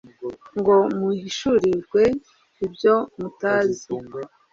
ngo muhishurirwe ibyomutazi